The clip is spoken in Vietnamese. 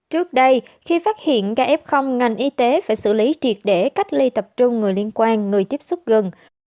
trước đây khi phát hiện ca f ngành y tế phải xử lý triệt để cách ly tập trung người liên quan người tiếp xúc gần